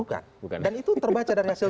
bukan dan itu terbaca dari hasil